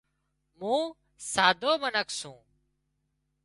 مون سادرو منک سُون